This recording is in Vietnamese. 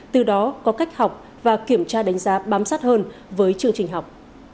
từ đó có cách học và kiểm tra đánh giá bám sát hơn với chương trình học